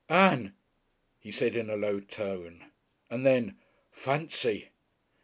"Ann," he said in a low tone, and then "Fency!"